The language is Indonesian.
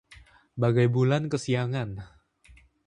Bagai bulan kesiangan